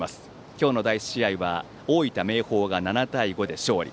今日の第１試合は大分・明豊が７対５で勝利。